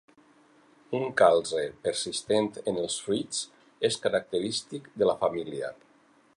Un calze persistent en els fruits és característic de la família.